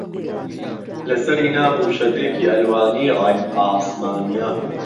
له سهری نابوو شهدێکی ئەلوانی ڕهنگ عاسمانییه